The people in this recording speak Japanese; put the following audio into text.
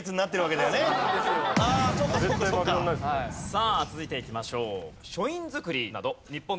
さあ続いていきましょう。